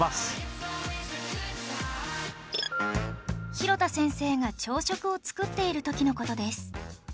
廣田先生が朝食を作っている時の事です